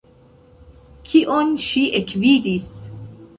Kion ŝi ekvidis!